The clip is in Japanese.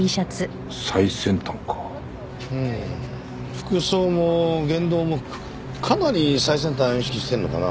服装も言動もかなり最先端を意識してるのかな？